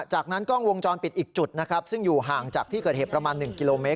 จากนั้นกล้องวงจรปิดอีกจุดนะครับซึ่งอยู่ห่างจากที่เกิดเหตุประมาณ๑กิโลเมต